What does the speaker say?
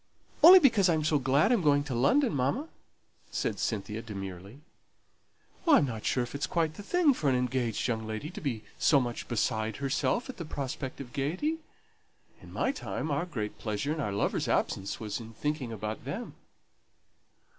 "Only because I'm so glad I'm going to London, mamma," said Cynthia, demurely. "I'm not sure if it's quite the thing for an engaged young lady to be so much beside herself at the prospect of gaiety. In my time, our great pleasure in our lovers' absence was in thinking about them."